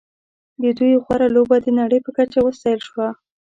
د دوی غوره لوبه د نړۍ په کچه وستایل شوه.